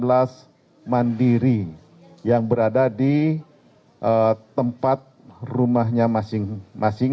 di mana ada satu ratus delapan belas pilihan yang berada di tempat rumahnya masing masing